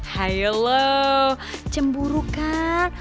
hai yolo cemburu kan